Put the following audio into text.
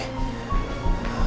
eksiden kecil dua sama separated